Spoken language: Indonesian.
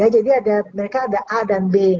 ada mereka ada a dan b